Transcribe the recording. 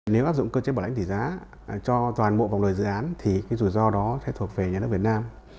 nếu áp dụng cơ chế bảo lãnh tỷ giá cho toàn bộ vòng đời dự án thì cái rủi ro đó sẽ thuộc về nhà nước việt nam